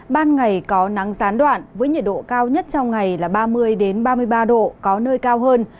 ban ngày có nắng gián đoạn với nhiệt độ cao nhất trong ngày là ba mươi ba mươi ba độ có nơi cao hơn